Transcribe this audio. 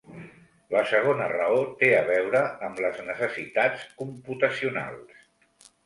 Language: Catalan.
La segona raó té a veure amb les necessitats computacionals.